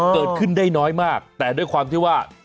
เกิดขึ้นได้น้อยมากแต่ด้วยความที่ว่า